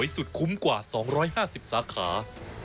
สุดคุ้มกว่า๒๕๐สาขา